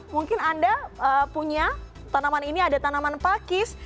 mungkin anda punya tanaman ini ada tanaman pakis